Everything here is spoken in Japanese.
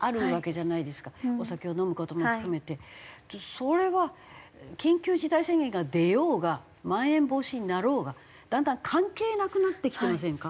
それは緊急事態宣言が出ようがまん延防止になろうがだんだん関係なくなってきてませんか？